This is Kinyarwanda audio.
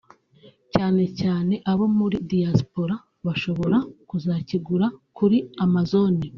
cyane cyane abo muri Diaspora bashobora kuzakigura kuri Amazone